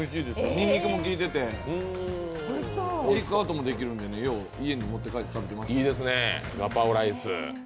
にんにくも効いてて、テイクアウトもできるって家に持って帰ってます。